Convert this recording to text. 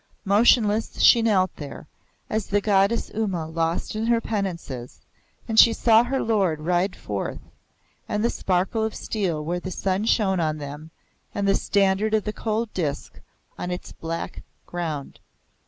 Motionless she knelt there, as the Goddess Uma lost in her penances, and she saw her Lord ride forth, and the sparkle of steel where the sun shone on them, and the Standard of the Cold Disk on its black ground.